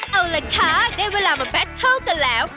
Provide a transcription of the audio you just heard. เอาล่ะคะได้เวลามาแฟทัลกันแล้ว